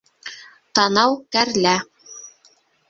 Танау кәрлә